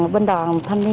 chị rất là vui